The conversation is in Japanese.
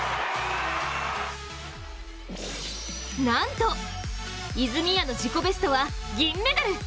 なんと泉谷の自己ベストは銀メダル。